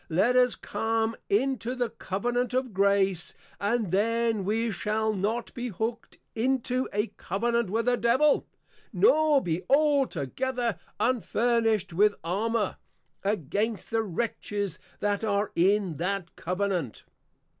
Let us come into the Covenant of Grace, and then we shall not be hook'd into a Covenant with the Devil, nor be altogether unfurnished with Armour, against the Wretches that are in that Covenant.